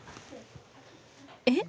えっ？